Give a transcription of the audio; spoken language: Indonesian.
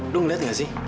lo ngeliat gak sih